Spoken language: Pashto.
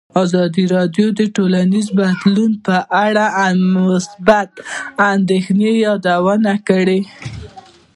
ازادي راډیو د ټولنیز بدلون په اړه د امنیتي اندېښنو یادونه کړې.